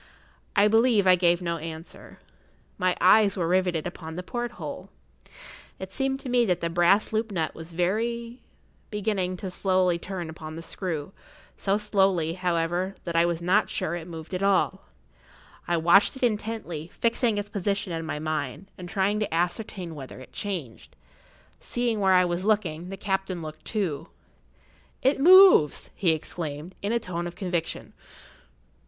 I believe I gave no answer. My eyes were riveted upon the porthole. It seemed to me that the brass loop nut was beginning to turn very slowly upon the screw—so slowly, however, that I was not sure it moved at all. I watched it intently, fixing its position in my mind, and trying to ascertain whether it changed. Seeing where I was looking, the captain looked too. "It moves!" he exclaimed, in a tone of conviction.